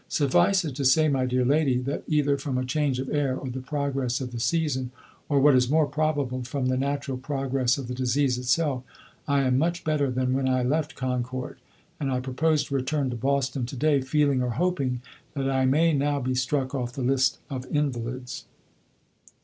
Suffice it to say, my dear lady, that either from a change of air, or the progress of the season, or, what is more probable, from the natural progress of the disease itself, I am much better than when I left Concord, and I propose to return to Boston to day, feeling, or hoping, that I may now be struck off the list of invalids."